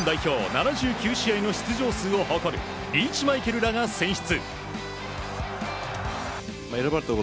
７９試合の出場数を誇るリーチマイケルらが選出。